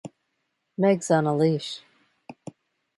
Meg's on a leash.